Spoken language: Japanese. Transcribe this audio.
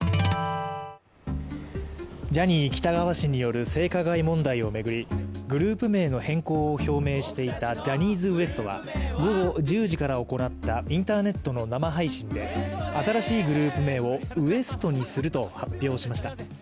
ジャニー喜多川氏による性加害問題を巡りグループ名の変更を表明していたジャニーズＷＥＳＴは午後１０時から行ったインターネットの生配信で新しいグループ名をＷＥＳＴ．にすると発表しました。